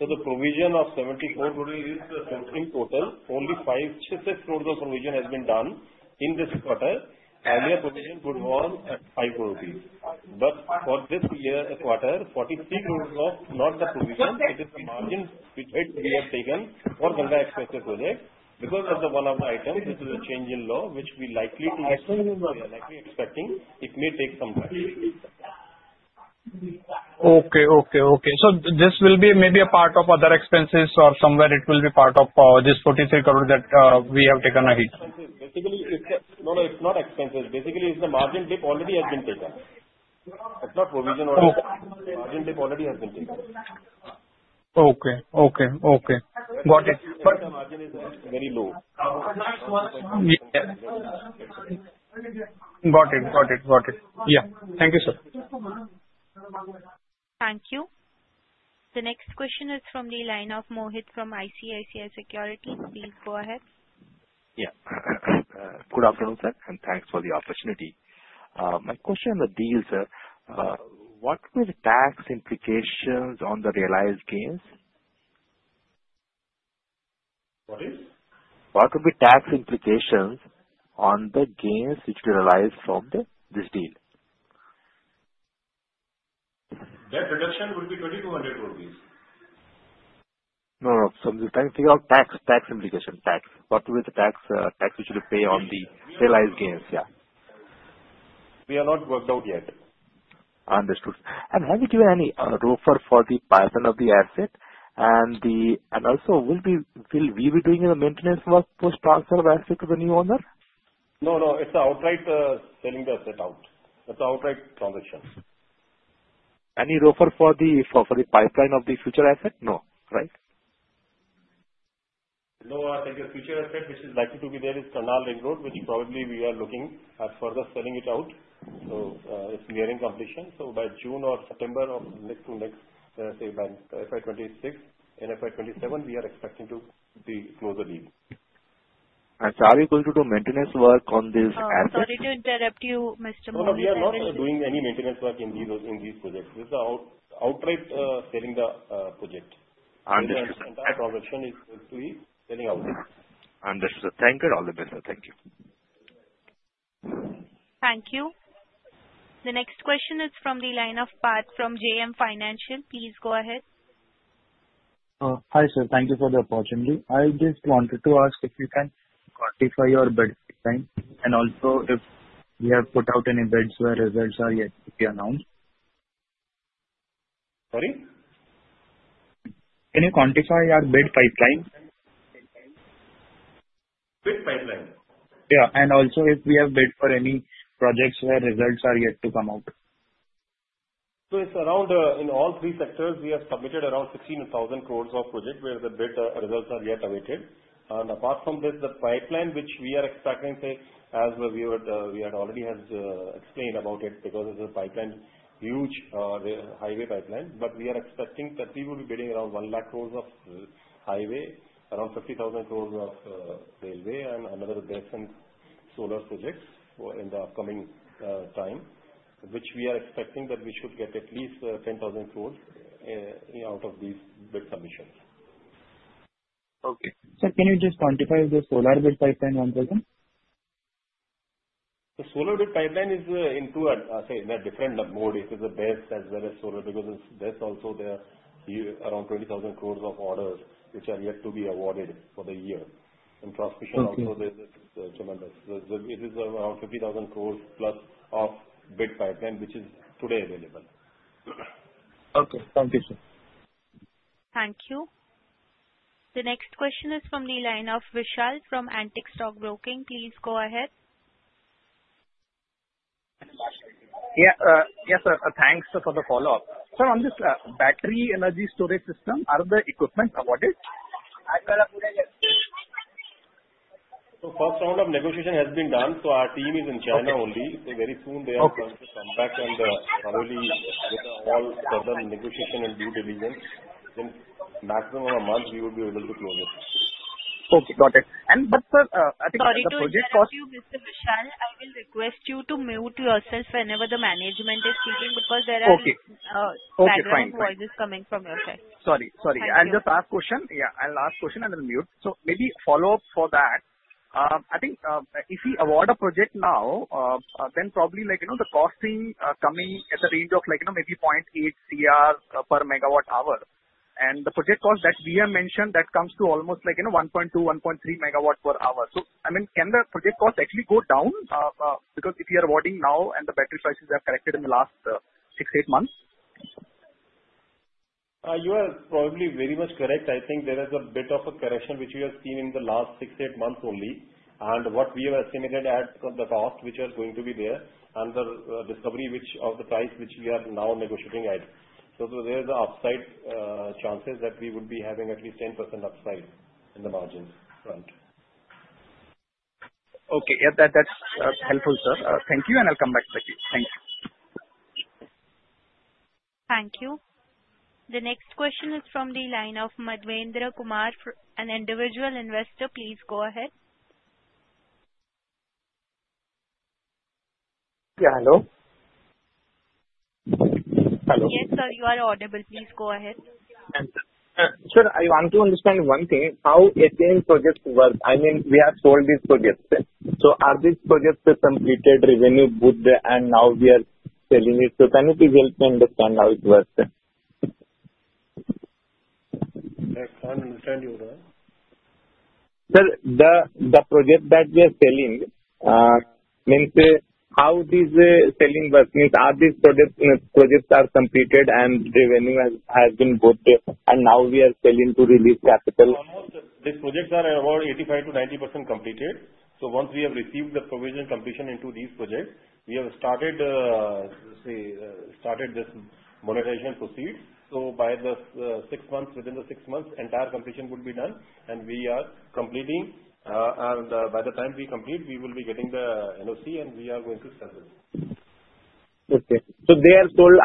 So the provision of 74 crore is total; only 56 crore the provision has been done in this quarter. Earlier provision could have been 5 crore rupees. But for this year quarter, 43 crore of not the provision. It is the margin we have taken for Ganga Expressway project. Because of one of the items, this is a change in law which we likely to be expecting. It may take some time. Okay. So this will be maybe a part of other expenses or somewhere it will be part of this 43 crore that we have taken a hit. Basically, no, no. It's not expenses. Basically, it's the margin dip already has been taken. It's not provision or anything. Margin dip already has been taken. Okay. Got it. But the margin is very low. Got it. Yeah. Thank you, sir. Thank you. The next question is from the line of Mohit from ICICI Securities. Please go ahead. Yeah. Good afternoon, sir. And thanks for the opportunity. My question on the deal, sir, what will be the tax implications on the realized gains? What is? What will be tax implications on the gains which will be realized from this deal? The reduction will be INR 2,200 crore. No, no. So I'm just trying to figure out tax implication. Tax. What will be the tax which you will pay on the realized gains? Yeah. We are not worked out yet. Understood. And have you given any offer for the pipeline of the asset? And also, will we be doing any maintenance work post-transfer of asset to the new owner? No, no. It's outright selling the asset out. It's outright transaction. Any offer for the pipeline of the future asset? No. Right? No. I think the future asset which is likely to be there is Karnal Ring Road, which probably we are looking at further selling it out. It's nearing completion. By June or September of next to next, say by FY26, in FY27, we are expecting to close the deal. Are you going to do maintenance work on this asset? Sorry to interrupt you, Mr. Mohit. No, no. We are not doing any maintenance work in these projects. This is outright selling the project. Understood. Our transaction is going to be selling outright. Understood. Thank you. All the best, sir. Thank you. Thank you. The next question is from the line of Parth from JM Financial. Please go ahead. Hi, sir. Thank you for the opportunity. I just wanted to ask if you can quantify your bid pipeline and also if we have put out any bids where results are yet to be announced. Sorry? Can you quantify your bid pipeline? Bid pipeline? Yeah. Also, if we have bid for any projects where results are yet to come out. So, it's around, in all three sectors, we have submitted around 16,000 crore of projects where the bid results are yet awaited. Apart from this, the pipeline which we are expecting, say, as we had already explained about it because it's a pipeline, huge highway pipeline. But we are expecting that we will be bidding around 1 lakh crore of highway, around 50,000 crore of railway, and another BESS in solar projects in the upcoming time, which we are expecting that we should get at least 10,000 crore out of these bid submissions. Okay. Sir, can you just quantify the solar bid pipeline? One second. The solar bid pipeline is in two, say, there are different modes. It is the BESS as well as solar because it's BESS also there around 20,000 crore of orders which are yet to be awarded for the year. And transmission also, there's tremendous. It is around 50,000 crore plus of bid pipeline which is today available. Okay. Thank you, sir. Thank you. The next question is from the line of Vishal from Antique Stock Broking. Please go ahead. Yeah. Yes, sir. Thanks for the follow-up. Sir, on this battery energy storage system, are the equipment awarded? So first round of negotiation has been done. So our team is in China only. So very soon, they are going to come back and probably with all further negotiation and due diligence, in maximum a month, we will be able to close it. Okay. Got it. And but, sir, I think the project cost. Sorry to interrupt you, Mr. Vishal. I will request you to mute yourself whenever the management is speaking because there are some interjections coming from your side. Sorry. Sorry. And just last question. Yeah. And last question, and then mute. So maybe follow-up for that. I think if we award a project now, then probably the costing coming at the range of maybe 0.8 crore per megawatt hour. And the project cost that we have mentioned, that comes to almost 1.2-1.3 megawatt per hour. So I mean, can the project cost actually go down? Because if you are awarding now and the battery prices have corrected in the last six-eight months? You are probably very much correct. I think there is a bit of a correction which we have seen in the last six-eight months only. What we have estimated at the cost which is going to be there under discovery which of the price which we are now negotiating at. So there is an upside chances that we would be having at least 10% upside in the margin front. Okay. Yeah. That's helpful, sir. Thank you. And I'll come back to you. Thank you. Thank you. The next question is from the line of Madhvendra Kumar, an individual investor. Please go ahead. Yeah. Hello? Hello? Yes, sir. You are audible. Please go ahead. Sir, I want to understand one thing. How is this project worked? I mean, we have sold these projects. So are these projects completed, revenue good, and now we are selling it? So can you please help me understand how it works? I can't understand you, sir. Sir, the project that we are selling, means how these selling works? Are these projects are completed and revenue has been booked? And now we are selling to release capital? Almost. These projects are about 85%-90% completed. So once we have received the provisional completion into these projects, we have started, say, started this monetization process. So by the six months, within the six months, entire completion would be done. And we are completing. And by the time we complete, we will be getting the NOC, and we are going to sell it. Okay. So they are sold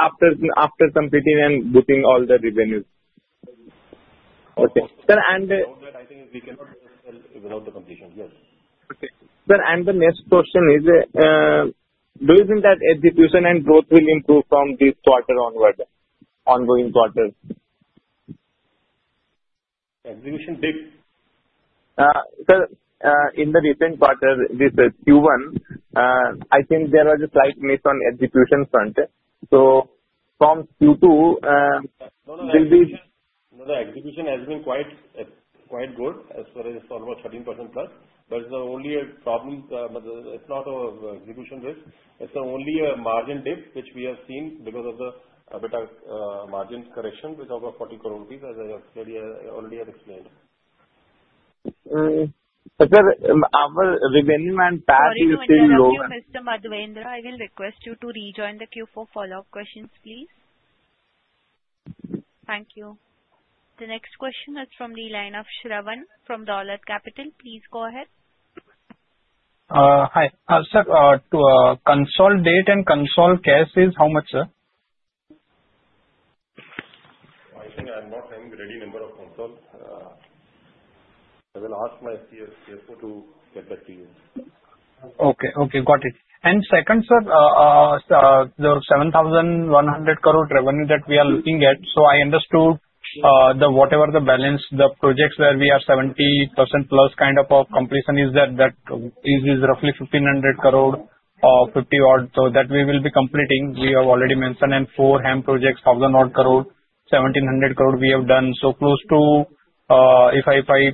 after completing and booking all the revenues. Okay. Sir, and. I think we cannot sell without the completion. Yes. Okay. Sir, and the next question is, do you think that execution and growth will improve from this quarter onward, ongoing quarter? Execution big? Sir, in the recent quarter, this Q1, I think there was a slight miss on execution front. So from Q2, will be. No, no. Execution has been quite good as far as it's almost 13% plus. But it's only a problem. It's not an execution risk. It's only a margin dip which we have seen because of the better margin correction with over 40 crore rupees, as I already have explained. Sir, our revenue and path is still low. Thank you for your interview, Mr. Madhvendra. I will request you to rejoin the Q4 follow-up questions, please. Thank you. The next question is from the line of Shravan from Dolat Capital. Please go ahead. Hi. Sir, to COD and cash is how much, sir? I think I'm not having ready number for COD. I will ask my CFO to get back to you. Okay. Okay. Got it. Second, sir, the 7,100 crore revenue that we are looking at, so I understood whatever the balance, the projects where we are 70% plus kind of a completion is roughly 1,500 crore or 50 odd that we will be completing. We have already mentioned and four HAM projects, 1,000 odd crore, 1,700 crore we have done. So close to if I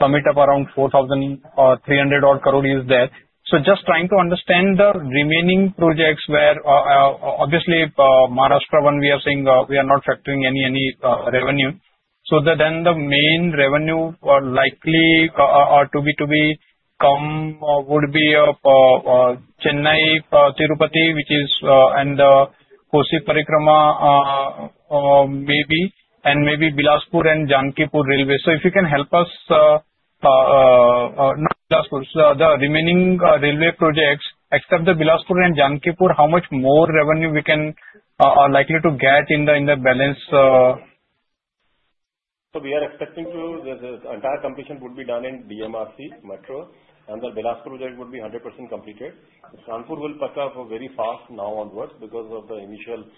sum up around 4,300 odd crore is there. So just trying to understand the remaining projects where obviously Maharashtra one, we are saying we are not factoring any revenue. So then the main revenue likely to come would be Chennai, Tirupati, which is and Kosi Parikrama maybe, and maybe Bilaspur and Janakpur Railway. So if you can help us, not Bilaspur, the remaining railway projects, except the Bilaspur and Janakpur, how much more revenue we can likely to get in the balance? We are expecting the entire completion would be done in DMRC Metro. The Bilaspur project would be 100% completed. Sonepat will pack up very fast now onwards because of the initial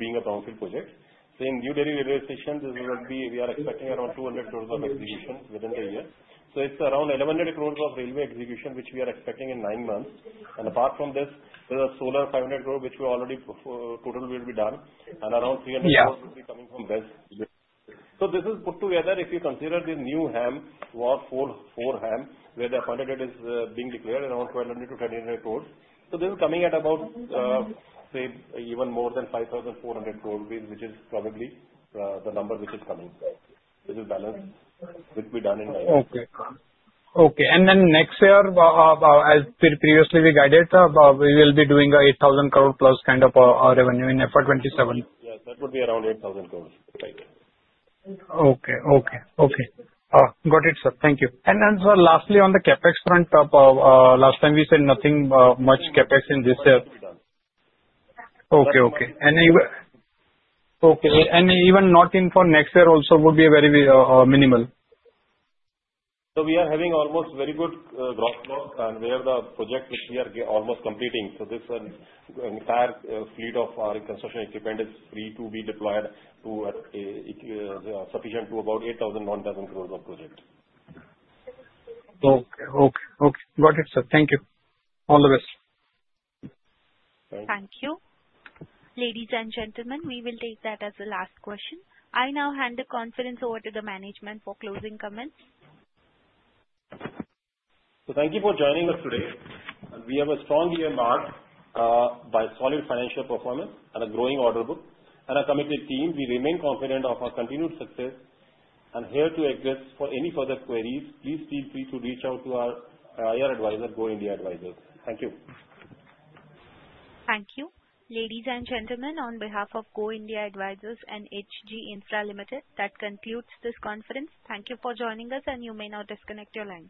being a brownfield project. Same New Delhi Railway Station, we are expecting around INR 200 crore of execution within the year. It is around 1,100 crore of railway execution which we are expecting in nine months. Apart from this, there is a solar 500 crore which we already total will be done. Around 300 crore will be coming from BESS. This is put together, if you consider the new HAM, four HAM, where the funding is being declared around 1,200-1,300 crore. This is coming at about, say, even more than 5,400 crore, which is probably the number which is coming. This is balanced, which will be done in nine months. And then next year, as previously we guided, we will be doing 8,000 crore plus kind of a revenue in FY27. Yes. That would be around 8,000 crores. Right. Got it, sir. Thank you. And then sir, lastly on the CapEx front, last time we said nothing much CapEx in this year. And even not in for next year also would be very minimal. So we are having almost very good growth. And we have the projects which we are almost completing. So this entire fleet of our construction equipment is free to be deployed. It's sufficient to about 8,000-9,000 crores of project. Got it, sir. Thank you. All the best. Thank you. Ladies and gentlemen, we will take that as the last question. I now hand the conference over to the management for closing comments. So thank you for joining us today. And we have a strong year marked by solid financial performance and a growing order book. And a committed team. We remain confident of our continued success. And we're here to assist for any further queries. Please feel free to reach out to our IR advisor, Go India Advisors. Thank you. Thank you. Ladies and gentlemen, on behalf of Go India Advisors and H.G. Infra Limited, that concludes this conference. Thank you for joining us, and you may now disconnect your lines.